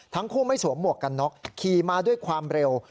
ทั้งคู่ไม่สวมหมวกกันน็อกขี่มาด้วยความเร็ว